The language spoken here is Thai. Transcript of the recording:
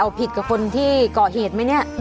เอาผิดกับคนที่เกาะเหตุไหมเนี่ย